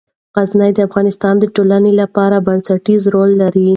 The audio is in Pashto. غزني د افغانستان د ټولنې لپاره بنسټيز رول لري.